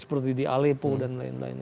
seperti di alepo dan lain lain